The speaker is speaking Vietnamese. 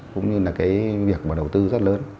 cũng như là cái việc mà đầu tư rất lớn